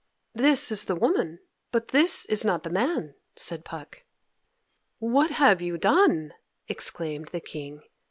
"This is the woman, but this is not the man," said Puck. "What have you done?" exclaimed the King.